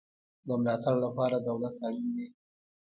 د ملاتړ لپاره دولت اړین دی